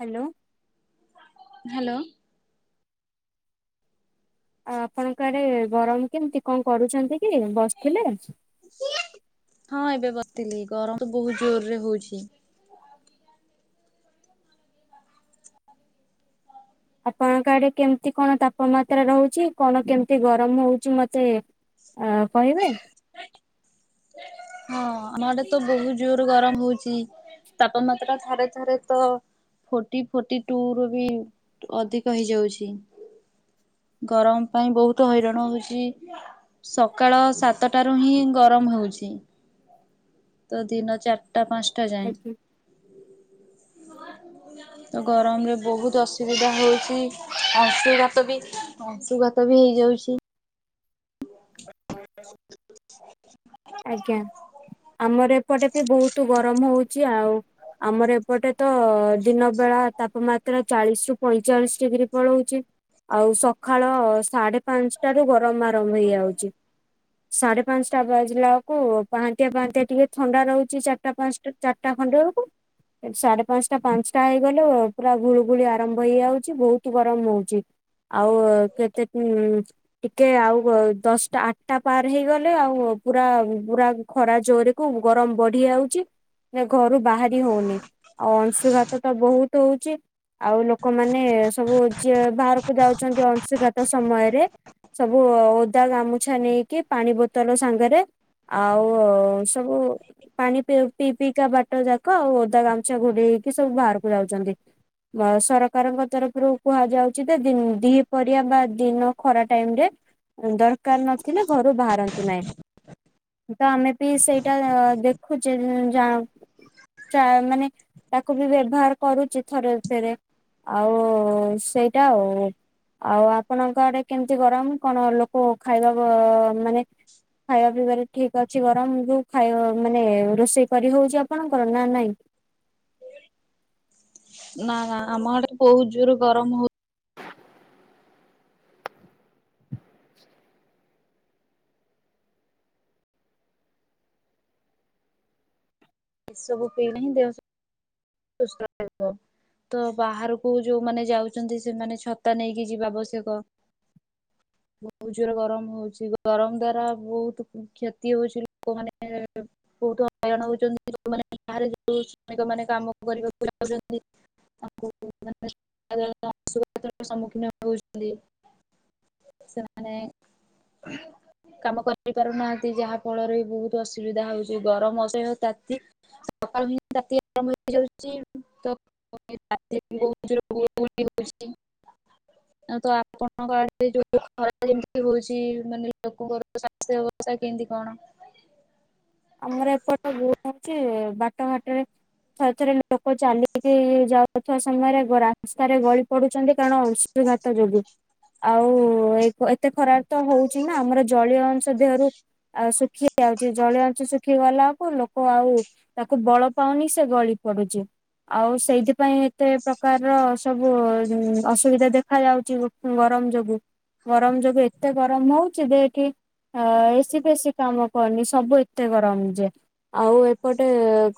Hello. Hello. ଆ ଆପଣଙ୍କ ଆଡେ ଗରମ କେମିତି। କଣ କରୁଛନ୍ତି କି ବସିଥିଲେ। ହଁ ଏବେ ବସିଥିଲି ଗରମ ବହୁ ଜୋରରେ ହଉଛି। ଆପଣଙ୍କ ଆଡେ କେମିତି କଣ ତାପମାତ୍ରା ରହୁଛି। କଣ କେମିତି ଗରମ ହଉଛି ମତେ ଆ କହିବେ। ହଁ ଆମ ଆଡେ ତ ବହୁତୁ ଜୋର ଗରମ ହଉଛି। ତାପମାତ୍ରା ଥରେ ଥରେ ତ ଫୋଟି ଫୋଟି ଟୁ ରୁ ବି ଅଧିକ ହେଇଯାଉଛି। ଗରମ ପାଇଁ ବହୁତୁ ହଇରାଣ ହଉଚି। ସକାଳ ସାତଟାରୁ ହିଁ ଗରମ ହଉଚି। ତ ଦିନ ଚାଟା ପାଞ୍ଚଟା ଯାଏଁ। ଆଜ୍ଞା ତ ଗରମରେ ବହୁତୁ ଅସୁବିଧା ହେଉଛି ଅଂଶୁଘାତ ବି ଅଂଶୁଘାତ ବି ହେଇଯାଉଚି। [unintelligible] ଆଜ୍ଞା ଆମର ଏପଟେ ବି ବୋହୁତୁ ଗରମ ହୋଉଚି ଆଉ। ଆମର ଏପଟେ ତ ଦିନ ବେଳା ତାପମାତ୍ରା ଚାଳିଶି ରୁ ପଇଁଚାଳିଶି ଡିଗ୍ରୀ ପଳଉଚି। ଆଉ ସଖାଳ ସାଢେ ପାଁସଂଟାରୁ ଗରମ ଆରମ ହେଇଯାଉଚି। ସାଢେ ପାଁଶଟା ବାଜିଲା ବେଳକୁ ପାହାନ୍ତିଆ ପାହାନ୍ତିଆ ଟିକେ ଥଣ୍ଡା ରୋହୁଚି ଚାରିଟା ପାଁଶଟା ଚାରିଟା ଖଣ୍ଡେ ବେଳକୁ ସାଢେ ପାଁଶଟା ପାଁଶଟା ହେଇଗଲେ ପୁରା ଗୁଳୁଗୁଳି ଆରମ୍ଭ ହେଇଯାଉଚି ବୋହୁତ ଗରମ ହୋଉଚି। ଆଉ କେତେ ଦିନି? ଟିକେ ଆଉ ଦଶଟା ଆଟଟା ପାର୍ ହେଇଗଲେ ଆଉ ପୁରା ପୁରା ଖରା ଜୋରେ କୁ ଗରମ ବଢି ଯାଉଚି। ନା ଘରୁ ବାହାରି ହୋଉନି ଆଉ ଅଂଶୁଘାତ ତ ବୋହୁତ ହୋଉଚି। ଆଉ ଲୋକମାନେ ସବୁ ଯିଏ ବାହାରକୁ ଯାଉଚନ୍ତି ଅଂଶୁଘାତ ସମୟରେ ସବୁ ଓଦା ଗାମୁଛା ନେଇକି ପାଣି ବୋତଲ ସାଙ୍ଗରେ ଏଵେ ଆଉ ସବୁ ପାଣିି ପିଇ ପିଇକା ବାଟ ଯାକ ଆଉ ଓଦା ଗାମୁଛା ଘୋଡେଇ ହେଇକି ସବୁ ବାହାରକୁ ଯାଉଚନ୍ତି। ସରକାରଙ୍କ ତରଫରୁ କୁହାଯାଉଚି ଯେ ଦି ପହରିିଆ ବା ଦିନ ଖରା ଟାଇମ ରେ ଦରକାର ନଥିଲେ ଘରୁ ବାହାରନ୍ତୁ ନାହିଁ। ତ ଆମେ ବି ସେଇଟା ଦେଖୁଚେ ଜାଣ୍ ଚା ମାନେ ତାକୁ ବି ବ୍ୟବହାର କରୁଚି ଥରେ ଥରେ। ଆଉ ସେଇଟା ଆଉ। ଆଉ ଆପଣଙ୍କ ଆଡେ କେମିତି ଗରମ କଣ ଲୋକ ଖାଇବାକୁ ମାନେ? ଖାଇବା ପିଇବାରେ ଠିକ ଅଛି ଗରମ କୁ ଖାଇବା ମାନେ ରୋଷେଇ କରି ହୋଉଚି ଆପଣଙ୍କର ନା ନାଇଁ? ନା ନା ଆମ ଆଡେ ବୋହୁତ ଜୋରେ ଗରମ ହୋ ଉଚି। ଏ ସବୁ ପିଇଲେ ହିଁ ଦେହ ସୁସ୍ତ ରହିବ। ତ ବାହାରକୁ ଯୋଉମାନେ ଯାଉଚନ୍ତି ସେମାନେ ଛତା ନେଇକି ଯିବା ଆବଶ୍ୟକ। [unintelligible] ବୋହୂତ୍ ଜୋରେ ଗରମ ହୋଉଚି ଗରମ ଦ୍ଵାରା ବୋ ହୁତ କ୍ଷତି ହୋଉଚି ଲୋକମାନେ ବୋହୁତ ହଇରାଣ ହୋଉଚନ୍ତି ଲୋକମାନେ [unintelligible] ଶ୍ରମିକ ମାନେ କାମ କରିବାକୁ ଯାଉଚନ୍ତି। [unintelligible] ଅଁଶୁଘାତରେ ସମ୍ମୁଖୀନ ହୋଉଚନ୍ତି। ସେମାନେ କାମ କରିପାରୁନାହାନ୍ତି ଯାହା ଫଳରେ ବୋହୁତ ଅସୁବିଧା ହୋଉଚି ଗରମ ଅସହ୍ଯ ତାତ୍ [unintelligible] ରାତିରେ ବୋହୁତଯୋରେ ଗୁଳୁ ଗୁଳି ହୋଉଚି। ତ ଆପଣଙ୍କ ଆଡେ ଯୋଉ ଖରା ଯେମିତି ହୋଉଚି ମାନେ ଲୋକଙ୍କର ସ୍ୱାସ୍ଥ୍ୟ ଅବସ୍ଥା କେମତି କଣ? ଆମର ଏପଟ [unintelligible] ଯେ ବାଟଘାଟରେ ଥରେ ଥରେ ଲୋକ ଚାଲିକି ଯାଉଥିବା ସମୟରେ ରାସ୍ତାରେ ଗଳି ପଡୁଚନ୍ତି କାରଣ ଅଂଶୁଘାତ ଯୋଗୁଁ। ଆଉ ଏତେ ଖରାରେ ତ ହୋଉଚି ନା ଆମର ଜଳୀୟ ଅଂଶ ଦେହରୁ ଆଉ ଶୁଖି ଯାଉଚି ଜଳିୟ ଶୁଖି ଗଲାକୁ ଲୋକ ଆଉ ତାକୁ ବଳ ପାଉନି ସେ ଗଳି ପଡୁଚି। ଆଉ ସେଇଥିପାଇଁ ଏତେ ପ୍ରକାରର ସବୁ ଅସୁବିଧା ଦେଖା ଯାଉଚି। ଗରମ ଯୋଗୁ ଗରମ ଯୋଗୁ ଏତେ ଗରମ ହୋଉଚି ଯେ ଏଠି ଅ ଏସି ଫେସିି କାମ କରୁନି ସବୁ ଏତେ ଗରମ ଯେ। ଆଉ ଏପଟେ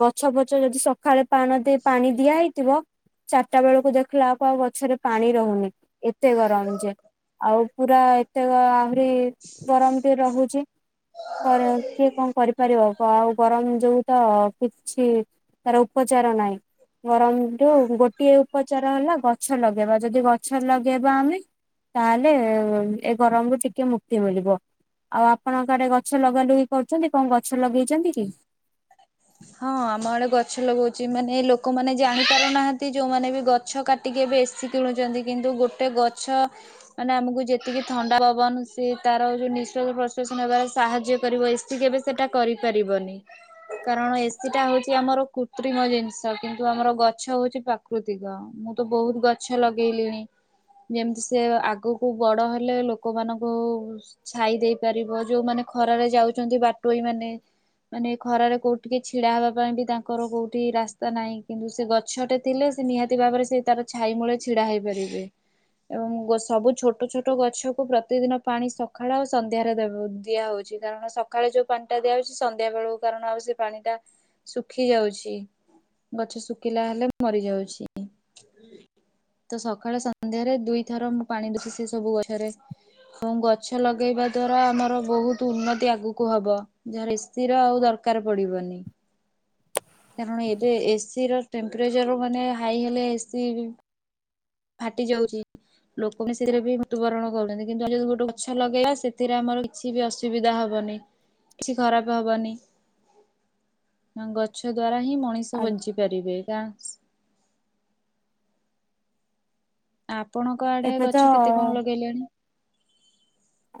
ଗଛ ପଛ ଯଦି ସଖାଳେ ପାଣ ଦେ ପାଣି ଦିଆ ହେଇଥିବ ଚାରିଟା ବେଳକୁ ଦେଖିଲା କୁ ଆଉ ଗଛରେ ପାଣି ରୋ ହୁନି ଏତେ ଗରମ ଯେ। ଆଉ ପୁରା ଏତେ ଆହୁରି ଗରମ ବି ରହୁଚି [unintelligible] କଣ କରିପାରିବ, ଆଉ ଗରମ ଯୋଉ ତ କିଛି ତାର ଉପଚାର ନାହିଁ। ଗରମରୁୁ ଗୋଟିଏ ଉପଚାର ହେଲା ଗଛ ଲଗେଇବା, ଯଦି ଗଛ ଲଗେଇବା ଆମେ ତାହେଲେ ଏ ଗରମରୁ ଟିକେ ମୁକ୍ତି ମିଳିବ। ଆଉ ଆପଣଙ୍କ ଆଡେ ଗଛ ଲଗା ଲୁଗି କରୁଛନ୍ତି, କଣ ଗଛ ଲଗେଇଛନ୍ତି କି? ହଁ, ଆମ ଆଡେ ଗଛ ଲଗଉଛି, ମାନେ ଲୋକମାନେ ଜାଣିପାରୁନାହାନ୍ତି, ଯୋଉମାନେ ବି ଗ ଗଛ କାଟିକି ଏବେ ଏସି କିଣୁଛନ୍ତି, କିନ୍ତୁ ଗୋଟେ ଗଛ ମାନେ ଆମକୁ ଯେତିକି ଥଣ୍ଡା ପବନ, ସେ ତାର ଯୋଉ ନିଶ୍ୱାସ ପ୍ରଶ୍ଵାସ ନେବାରେ ସାହାଯ୍ୟ କରିବ, ଏ ସି କେବେ ସେଟା କରିପାରିବନି, କାରଣ ଏ ସିଟା ହଉଛି ଆମର କୃତ୍ରିମ ଜିନିଷ, କିନ୍ତୁ ଆମର ଗଛ ହଉଛି ପ୍ରାକୃତିକ। ମୁଁ ତ ବହୁତ ଗ ଛ ଲଗେଇଲିଣି, ଯେମିତି ସେ ଆଗକୁ ବଡ ହେଲେ ଲୋକମାନଙ୍କୁ ଛାଇ ଦେଇ ପାରିବ ଯୋଉମାନେ ଖରାରେ ଯାଉଛନ୍ତି, ବାଟୋଇ ମାନେ ମାନେ ଖରାରେ କୋଉଠିକି ଛିଡା ହେବା ପାଇଁ ବି ତାଙ୍କର କୋଉଠି ରାସ୍ତା ନାହିଁ, କିନ୍ତୁ ସେ ଗଛଟେ ଥିଲେ ସେ ନିହାତି ଭାବରେ ସେ ତାର ଛାଇ ମୂଳେ ଛିଡା ହେଇପାରିବେ। ଏବଂ ସବୁ ଛୋଟ ଛୋଟ ଗଛକୁ ପ୍ରତିଦିନ ପାଣି ସକାଳ ଆଉ ସନ୍ଧ୍ୟାରେ ଦେ ଦିଆହଉଛି। କାରଣ ସକାଳେ ଯୋଉ ପାଣି ଟା ଦିଆଯାଉଛି ସନ୍ଧ୍ୟା ବେଳକୁ କାରଣ ଆଉ ସେ ପାଣି ଟା ଶୁଖି ଯାଉଛି, ଗଛ ଶୁଖିଲା ହେଲେ ମରି ଯାଉଛି। ତ ସକାଳେ ସନ୍ଧ୍ୟାରେ ଦୁଇ ଥର ମୁଁ ପାଣି ଦଉଛି ସେ ସବୁ ଗଛରେ। ଗଛ ଲଗେଇବା ଦ୍ଵାରା ଆମର ବହୁତ ଉନ୍ନତି ଆଗକୁ ହବ ଯାହାର ଏସ ସିର ଆଉ ଦରକାର ପଡିବନି। କାରଣ ଏବେ ଏସିିର ଟେମ୍ପରେଚର ମାନେ ହାଇ ହେଲେ ଏସିି ଫାଟି ଯାଉଛି। ଲୋକବି ସେଥିରେ ବି ମୃତ୍ୟୁବରଣ କରୁଛନ୍ତି କିନ୍ତୁ, ଯଦି ଗୋଟେ ଗଛ ଲଗେଇବା ସେଥିରେ ଆମର କିଛି ବି ଅସୁବିଧା ହେବନି, କିଛି ଖରାପ ହେବନି। ଗଛ ଦ୍ଵାରା ହିଁ ମଣିଷ ବଞ୍ଚି ପାରିବେ। [unintelligible] ଆପଣଙ୍କ ଆଡେ ଏବେ ତ ଗଛ କେତେ କଣ ଲଗେଇଲେଣି?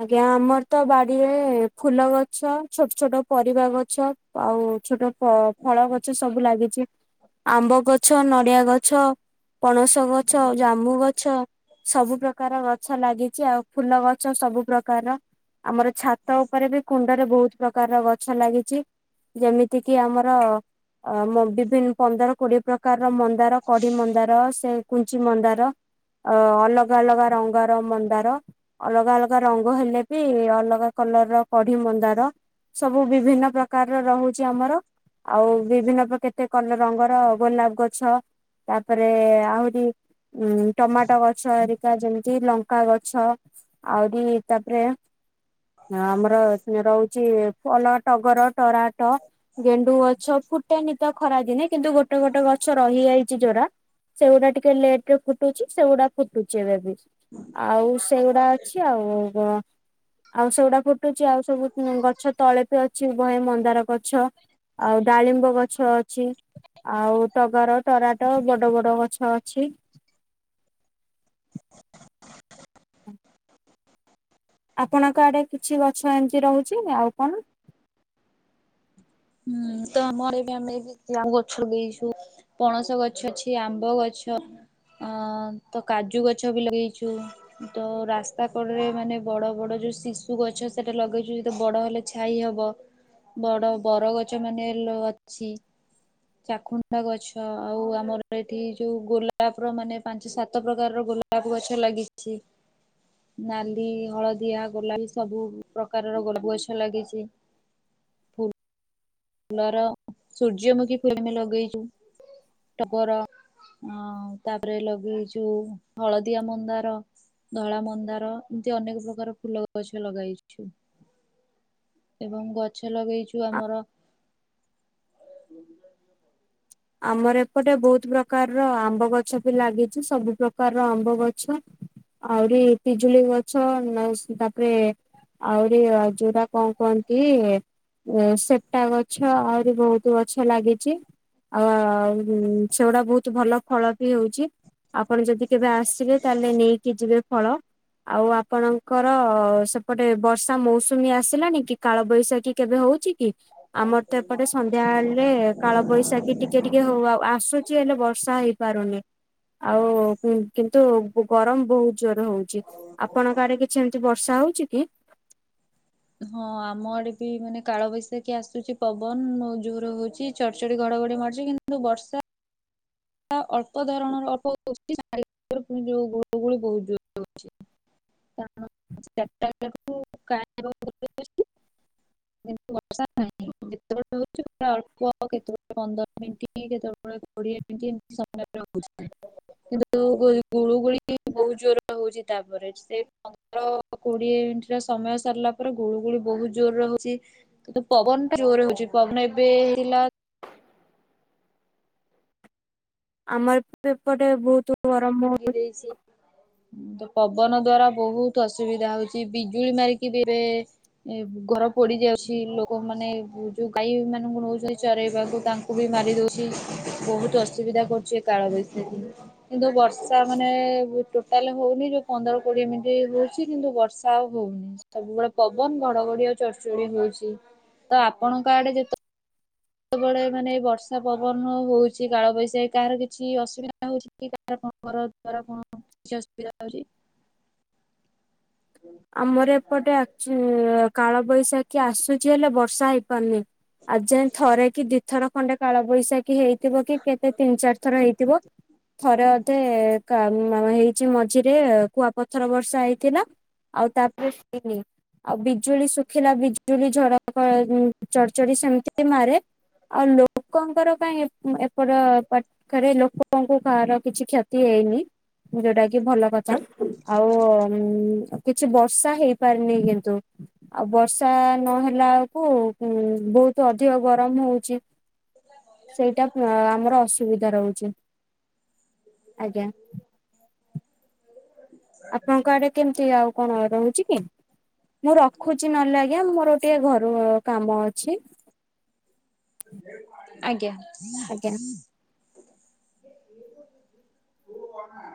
ଆଜ୍ଞା, ଆମର ତ ବାଡିରେ ଫୁଲ ଗଛ, ଛୋଟ ଛୋଟ ପରିବା ଗଛ। ଆଉ ଛୋଟ ଫଳ ଗଛ ସବୁ ଲାଗିଛି। ଆମ୍ବ ଗଛ, ନଡିଆ ଗଛ, ପଣସ ଗଛ, ଜାମ୍ବୁ ଗଛ ସବୁ ପ୍ରକାର ଗଛ ଲାଗିଛି ଆଉ ଫୁଲ ଗ ଛ ସବୁ ପ୍ରକାରର ଆମର ଛାତ ଉପରେ ବି କୁଣ୍ଡରେ ବହୁତ ପ୍ରକାରର ଗଛ ଲାଗିଛି। ଯେମିତି କିି ଆମର ଅ ମୁ ବିଭିନ୍ନ ପନ୍ଦର କୋଡିଏ ପ୍ରକାରର ମ ନ୍ଦାର, କଢି ମନ୍ଦାର ସେ କୁଞ୍ଚି ମନ୍ଦାର, ଅ ଅଲଗା ଅଲଗା ରଙ୍ଗର ମନ୍ଦାର। ଅଲଗା ଅଲଗା ରଙ୍ଗ ହେଲେ ବି ଅଲଗା କଲର ର କଢି ମନ୍ଦାର। ସବୁ ବିଭିନ୍ନ ପ୍ରକାରର ରହୁଛି ଆମର। ଆଉ ବିଭିନ୍ନ ପ୍ର କେତେ କ ରଙ୍ଗର ଗୋଲାପ ଗଛ। ତାପରେ ଆହୁରି ଉ ଟମାଟୋ ଗଛ ହେରିକା, ଯେମିତି ଲଙ୍କା ଗଛ। ଆହୁରି ତାପରେେ ଆମର ଏଥିରେ ରହୁଛି ପଳା ଟଗର ତରାଟ। ଗେଣ୍ଡୁ ଗଛ ଫୁଟେନି ତ ଖରା ଦିନେ, କିନ୍ତୁ ଗୋଟେ ଗୋଟେ ଗଛ ରହିଯାଇଛି ଯୋରାା ଯୋଉଟା ଟିକେ ଲେଟରେ ଫୁଟୁଛି ସେଗୁରା ଫୁଟୁଛି ଏବେ ବି। ଆଉ ସେଗୁଡା ଅଛି, ଆଉ କଣ ଆଉ ସେଗୁଡା ଫୁ- ଟୁଛି ଆଉ ସବୁ ଗଛ ତଳେ ପି ଅଛି, ବହେ ମନ୍ଦାର ଗଛ। ଆଉ ଡାଳିମ୍ବ ଗଛ ଅଛି, ଆଉ ଟଗର, ତରାଟ ବଡ଼ ବଡ଼ ଗଛ ଅଛି। ଆପଣଙ୍କ ଆଡ଼େ କିଛି ଗଛ ଏମିତି ରହୁଛି ଆଉ କଣ? ହୁଁ ତ ଆମରବି ଆମେ [unintelligible] ଗଛ ଲଗେଇଛୁ। ପଣସ ଗଛ ଅଛି ଆମ୍ବ ଗଛ ଅଁ ତକାଜୁ ଗଛବି ଲଗେଇଚୁ ତ ରାସ୍ତା କଡ଼ରେ ମାନେ ବଡ଼ ବଡ଼ ଯୋଉ ଶିଶୁ ଗଛ ସେଟା ଲଗେଇଚୁ ଯେତେ ବଡ଼ ହେଲେ ଛାଇ ହବ ବଡ଼ ବର ଗଛ ମାନେ ଲ ଅଛି ଚାଖୁଣ୍ଡା ଗଛ ଆଉ ଆମର ଏଠି ଯୋଉ ଗୋଲାପର ମାନେ ପାଞ୍ଚ ସାତ ପ୍ରକାରର ଗୋଲା ଗୋଲପ ଗଛ ଲାଗିଚି ନାଲି ହଳଦିଆ ଗୋଲାପୀ ସବୁ ପ୍ରକାରର ଗୋଲପ ଗଛ ଲାଗିଚି। ଫୁଲର ସୂର୍ଯ୍ୟମୁଖୀ ଫୁଲବି ଲଗେଇଚୁ ଟଗର ଆଁ ତାପରେ ଲଗେଇଚୁ ହଳଦିଆ ମନ୍ଦାର ଧଳା ମନ୍ଦାର ଏମିତି ଅନେକ ପ୍ରକାର ଫୁଲ ଗଛ ଲଗାଇଛୁ। ଏବଂ ଗଛ ଲଗେଇଚୁ ଆମର [inaudible] ଆମର ଏପଟେ ବହୁତ୍ ପ୍ରକାରର ଆମ୍ବ ଗଛବି ଲାଗିଚି ସବୁ ପ୍ରକାରର ଆମ୍ବ ଗଛ ଆହୁରି ପିଜୁଳି ଗଛ [unintelligible] ରେ ଆହୁରି ଯୋଉଟା କଁ କହନ୍ତି ଏ ସେପ୍ଟା ଗଛ ଆହୁରି ବହୁତ୍ ଗଛ ଲାଗିଚି। ଆଉ ସେଗୁଡ଼ା ବହୁତ୍ ଭଲ ଫଳବି ହଉଚି ଆପଣ ଯଦି କେବେ ଆସି ଆସିବେ ତାହେଲେ ନେଇକି ଯିବେ ଫଳ ଆଉ ଆପଣଙ୍କର ସେପଟେ ବର୍ଷା ମୌସୁମୀ ଆସିଲାଣିକି କାଳବୈଶାଖୀ କେବେ ହଉଚିକି ଆମରତ ଏପଟେ ସନ୍ଧ୍ୟା ହେଲେ କାଳ ବୈଶାଖୀ ଟିକେ ଟିକେ ହଉ ଆ ଆ ଆସୁଚି ହେଲେ ବର୍ଷା ହେଇପାରୁନି ଆଉ କିନ୍ତୁ ଗରମ୍ ବହୁ ଜୋରେ ହଉଚି ଆପଣଙ୍କ ଆଡ଼େ କିଛି ଏମିତି ବର୍ଷା ହଉଚିକି? ହଁ ଆମ ଆଡ଼େବି ମାନେ କାଳବୈଶାଖୀ ଆସୁଚି ପବନ ବୋହୁତ ଯୋରେ ହଉଚି ଚଡ଼ ଚଡ଼ି ଘଡ଼ଘଡ଼ି ମାରୁଚି କିନ୍ତୁ ବର୍ଷା ଅଳ୍ପ ଧରଣର ଅଳ୍ପ ହଉଚି [unintelligible] ଗୁଳୁଗୁଳି ବହୁତ୍ ଜୋରେ ହୋଉଚି। [unintelligible] କିନ୍ତୁ ବର୍ଷା ନାହିଁ ଯେତେବେଳେ ହଉଚି ପୁରା ଅଳ୍ପ କେତେବେଳେ ପନ୍ଦର ମିନିଟ୍ କେତେବେଳେ କୋଡ଼ିଏ ଏମିତି ଏମିତି ସମୟ ରହୁଚି। କିନ୍ତୁ ଗୁଳୁଗୁଳି ବହୁତ୍ ଜୋରେ ହଉଚି ତାପରେ ସେ ପନ୍ଦର କୋଡ଼ିଏ ମିନିଟର ସମୟ ସରିଲା ପରେ ଗୁଳୁଗୁଳି ବହୁତ୍ ଜୋରେ ହଉଚି କିନ୍ତୁ ପବନଟା ଜୋରେ ହଉଚି ପବନ ଏବେ ହେଲା ଆମରବି ଏପଟେ ବହୁତ୍ ହେଇଯାଇଚି ତ ପବନ ଦ୍ଵାରା ବହୁତ୍ ଅସୁବିଧା ହଉଚି ବିଜୁଳି ମାରିକି ଏବେ ଏ ଘର ପୋଡ଼ି ଯାଉଚି ଲୋକମାନେ ଯୋଉ ଗାଈଗୋରୁ ମାନଙ୍କୁ ନଉଚନ୍ତି ଚରେଇବାକୁ ତାଙ୍କୁ ତାଙ୍କୁବି ମାରି ଦଉଚି ବହୁତ୍ ଅସୁବିଧା କରୁଚି ଏଇ କାଳବୈଶାଖୀ କିନ୍ତୁ ବର୍ ବର୍ଷା ମାନେ ଟୋଟାଲେ ହଉନି ଯୋଉ ପନ୍ଦର କୋଡ଼ିଏ ମିନିଟ୍ ହଉଚି କିନ୍ତୁ ବର୍ଷା ଆଉ ହଉନି। ସବୁବେଳେ ପବନ ଘଡ଼ଘଡ଼ି ଆଉ ଚଡ଼ଚଡ଼ି ହଉଚି ତଆପଣଙ୍କ ଆଡ଼େ ଯେତେ ଯେତେବେଳେ ମାନେ ବର୍ଷା ପବନ ହଉଚି କାଳବୈଶାଖୀ କାହାର କିଛି ଅସୁବିଧା ହଉଚିକି କାରଣ ଘର ଦ୍ଵାର କଣ କିଛି ଅସୁବିଧା ହଉଚି? ଆମର ଏପଟେ ଆକ୍ଚୁ କାଳ ବୈଶାଖୀ ଆସୁଚି ହେଲେ ବର୍ଷା ହେଇପାରୁନି ଆଜି ଯାଏଁ ଥରେକି ଦିଥର ଖଣ୍ଡେ କାଳବୈଶାଖୀ ହେଇଥିବକି କେତେ ତିନି ଚାରି ଥର ହେଇଥିବ। ଥରେ ଅଧେ କା ହେଇଛି ମଝିରେ କୁଆପଥର ବର୍ଷା ହେଇଥିଲା। ଆଉ ତାପରେ ହେଇନି। ଆଉ ବିଜୁଳି ଶୁଖିଲା ବିଜୁଳି ଝଡ଼ ଘ ଚଡ଼ଚଡ଼ି ସେମିତି ବି ମାରେ। ଆଉ ଲୋକଙ୍କର ପାଇଁ ଏ ଘର ପାଖରେ ଲୋକଙ୍କୁ କାହାର କିଛି କ୍ଷତି ହେଇନି ଯୋଉଟା କି ଭଲ କ ଥା ଆଉ କିଛି ବର୍ଷା ହେଇପାରିନି କିନ୍ତୁ। ଆଉ ବର୍ଷା ନହେଲା ଏଳକୁ ଉଁ ବହୁତ ଅଧିକ ଗରମ ହଉଚି। ସେଇଟା ଆମର ଅସୁବିଧା ରହୁଛି ଆଜ୍ଞା। [unintelligible] ଆପଣଙ୍କ ଆଡେ କେମିତି ଆଉ କଣ ରହୁଚି କି? ମୁଁ ରଖୁଛି ନହେଲେ ଆଜ୍ଞା ମୋର ଟିକେ ଘରୁ କାମ ଅଛି। ଆଜ୍ଞା। ଆଜ୍ଞା।